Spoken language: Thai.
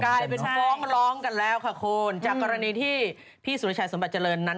กลายเป็นฟ้องร้องกันแล้วค่ะคุณจากกรณีที่พี่สุรชัยสมบัติเจริญนั้น